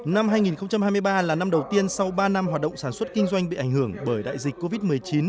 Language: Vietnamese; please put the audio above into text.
năm hai nghìn hai mươi ba là năm đầu tiên sau ba năm hoạt động sản xuất kinh doanh bị ảnh hưởng bởi đại dịch covid một mươi chín